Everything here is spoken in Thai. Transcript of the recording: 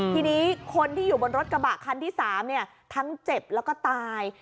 ทีนี้คนที่อยู่บนรถกระบะคันที่๓ทั้งเจ็บแล้วก็ตาย